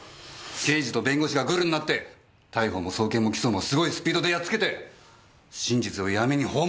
刑事と弁護士がグルになって逮捕も送検も起訴も凄いスピードでやっつけて真実を闇に葬ろうとしてる。